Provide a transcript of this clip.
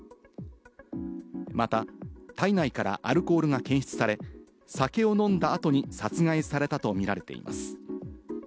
また、体内からアルコールが検出され、酒を飲んだ後に殺害されたと見られています。